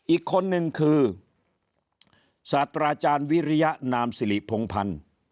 อีกคนนึงคือศาสตราอาจารย์วิริยนามสิริพงพันธ์